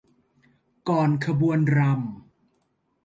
ก่อนขบวนรำ